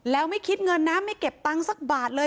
แล้วไม่คิดเงินนะไม่เก็บตังค์สักบาทเลย